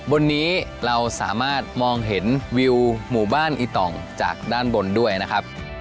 บนนี้เราสามารถมองเห็นวิวหมู่บ้านอีต่องจากด้านบนด้วยนะครับ